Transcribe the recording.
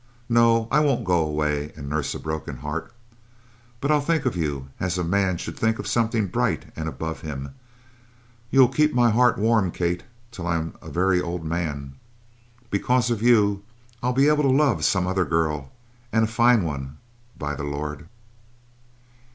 No, I won't go away and nurse a broken heart, but I'll think of you as a man should think of something bright and above him. You'll keep my heart warm, Kate, till I'm a very old man. Because of you, I'll be able to love some other girl and a fine one, by the Lord!'